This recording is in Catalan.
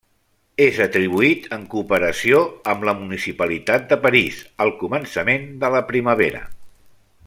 És atribuït en cooperació amb la municipalitat de París al començament de la primavera.